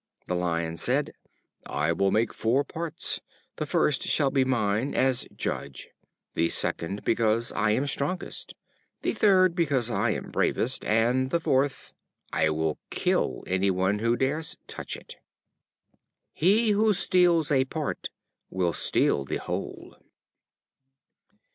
The Lion said: "I will make four parts the first shall be mine as judge; the second, because I am strongest; the third, because I am bravest; and the fourth I will kill any one who dares touch it." He who will steal a part will steal the whole.